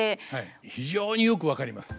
非常によく分かります。